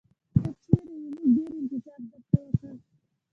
ته چېرته وې؟ موږ ډېر انتظار درته وکړ.